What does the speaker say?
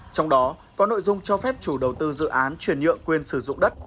trong đó có nội dung cho phép chủ đầu tư dự án chuyển nhựa quyền sử dụng đất